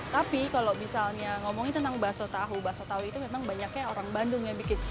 tapi kalau misalnya ngomongin tentang bakso tahu bakso tahu itu memang banyaknya orang bandung yang bikin